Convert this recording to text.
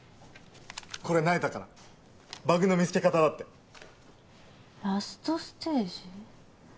これ那由他からバグの見つけ方だってラストステージ？